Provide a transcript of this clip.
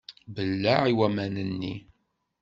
Belleε i waman-nni!